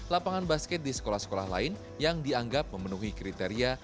lapangan basket di sekolah sekolah lain yang dianggap memenuhi kriteria